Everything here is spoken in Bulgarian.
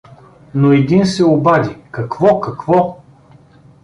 Но един се обади: — Какво, какво?